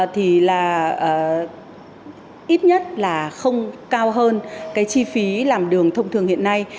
thì là ít nhất là không cao hơn cái chi phí làm đường thông thường hiện nay